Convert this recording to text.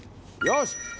よし！